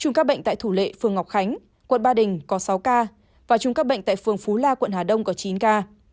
trùm ca bệnh tại thủ lệ phường ngọc khánh quận ba đình có sáu ca và trùm ca bệnh tại phường phú la quận hà đông có chín ca